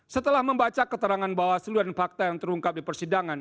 setelah membaca keterangan bawaslu dan fakta yang terungkap di persidangan